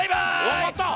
わかった！